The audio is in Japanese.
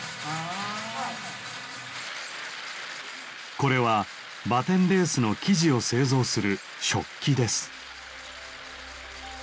これはバテンレースの生地を製造する織機です。